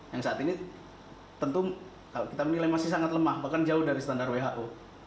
yang saat ini tentu kalau kita menilai masih sangat lemah bahkan jauh dari standar who